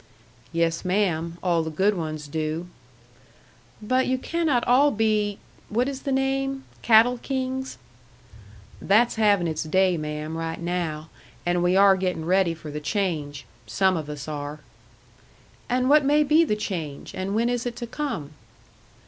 "Yes, ma'am. All the good ones do." "But you cannot all be what is the name? Cattle Kings." "That's having its day, ma'am, right now. And we are getting ready for the change some of us are." "And what may be the change, and when is it to come?"